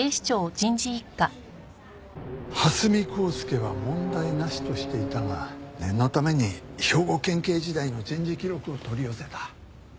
蓮見光輔は問題なしとしていたが念のために兵庫県警時代の人事記録を取り寄せた。